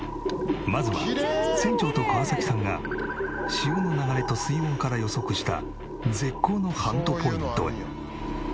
まずは船長と河崎さんが潮の流れと水温から予測した絶好のハントポイントへ。